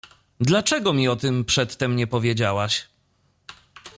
— Dlaczego mi o tym przedtem nie powiedziałaś?